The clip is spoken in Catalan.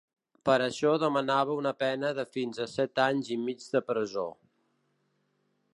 Per això demanava una pena de fins a set anys i mig de presó.